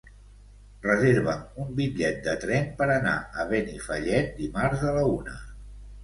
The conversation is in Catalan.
Reserva'm un bitllet de tren per anar a Benifallet dimarts a la una.